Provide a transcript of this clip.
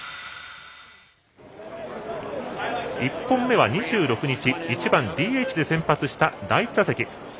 １本目は２６日１番ＤＨで先発した第１打席。